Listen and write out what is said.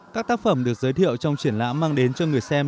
các tác phẩm được giới thiệu trong triển lãm mang đến cho người xem